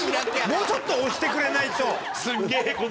もうちょっと押してくれないと。